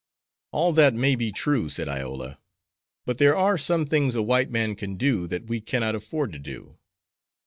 "All that may be true," said Iola, "but there are some things a white man can do that we cannot afford to do."